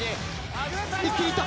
一気にいった！